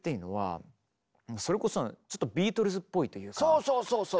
そうそうそうそう！